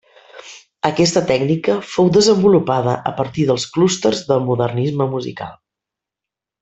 Aquesta tècnica fou desenvolupada a partir dels clústers del modernisme musical.